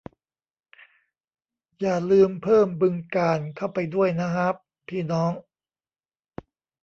อย่าลืมเพิ่ม บึงกาฬ เข้าไปด้วยนะฮ้าบพี่น้อง